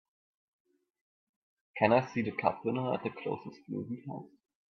Can I see The Cup Winner at the closest movie house